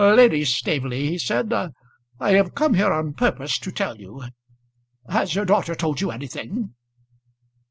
"Lady Staveley," he said, "I have come here on purpose to tell you. Has your daughter told you anything?"